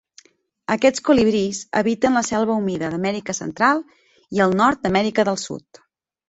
Aquests colibrís habiten la selva humida d'Amèrica Central i el nord d'Amèrica del Sud.